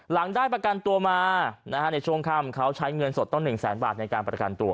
ได้ประกันตัวมาในช่วงค่ำเขาใช้เงินสดต้อง๑แสนบาทในการประกันตัว